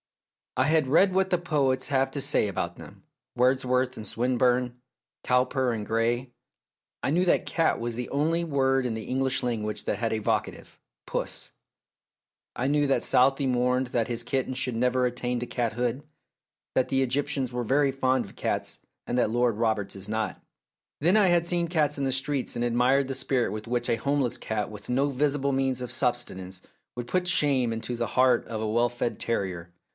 I had read what the poets have to say about them Wordsworth and Swin burne, Cowper and Gray ; I knew that " cat " was the only word in the English language that had a vocative, " puss "; I knew that Southey mourned that his kitten should ever attain to cathood, that the Egyptians were very fond of cats and that Lord Roberts is not. Then I had seen cats in the street, and admired the spirit with which a home less cat with no visible means of subsistence would put shame into the heart of a well fed terrier.